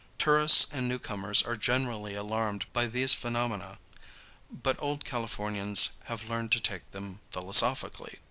Tourists and newcomers are generally alarmed by these phenomena, but old Californians have learned to take them philosophically.